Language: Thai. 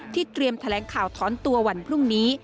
เตรียมแถลงข่าวถอนตัววันพรุ่งนี้